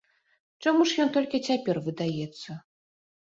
Чаму ж ён толькі цяпер выдаецца?